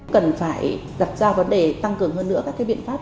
cần phải đặt ra vấn đề tăng cường hơn nữa các biện pháp